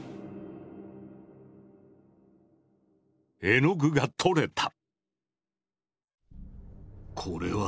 絵の具が取れた。